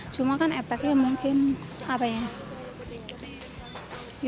cuma kan efeknya mungkin apa ya